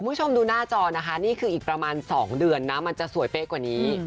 คุณผู้ชมดูหน้าจอนะคะนี่คืออีกประมาณ๒เดือนนะมันจะสวยเป๊ะกว่านี้